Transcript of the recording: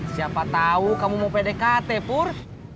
siapa tahu kamu mau pdkt pur